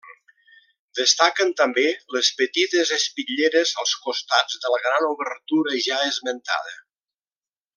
Destaquen també, les petites espitlleres als costats de la gran obertura ja esmentada.